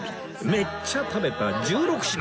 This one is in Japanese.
めっちゃ食べた１６品